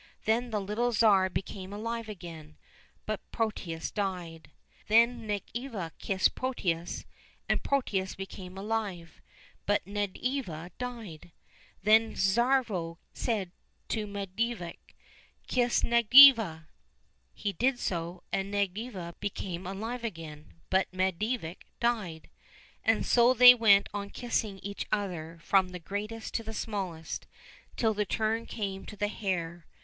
Then the little Tsar became alive again, but Protius died. Then Nedviga kissed Protius and Protius became alive, but Nedviga died. Then the Tsarevko said to Medvedik, " Kiss Nedviga !" He did so, and Nedviga became alive again, but Medvedik died. And so they went on kissing each other from the greatest to the smallest, till the turn came to the hare.